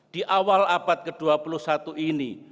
di awal abad ke dua puluh satu ini